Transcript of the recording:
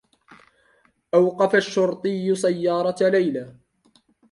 أوقف الشّرطي سيّارة ليلى.